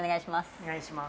お願いします。